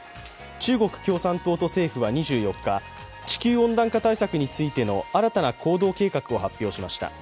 中国共産党と政府は２４日、地球温暖化対策についての新たな行動計画を発表しました。